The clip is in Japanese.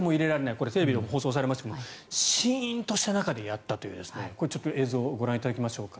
これはテレビで放送されましたがシーンとした中でやったというちょっと映像をご覧いただきましょうか。